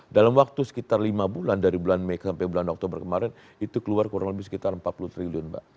dalam waktu sekitar lima bulan dari bulan mei sampai bulan oktober kemarin itu keluar kurang lebih sekitar empat puluh triliun mbak